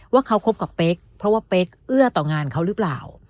ว่าเขาคบกับเป๊กเพราะว่าเป๊กเอื้อต่องานเขาหรือเปล่า